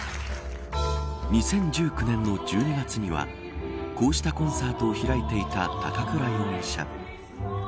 ２０１９年の１２月にはこうしたコンサートを開いていた高倉容疑者。